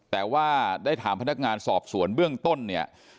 แต่ว่าได้ถามพนักงานสอบสวนเบื้องต้นเนี่ย